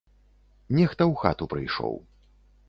Нехта ў хату прыйшоў.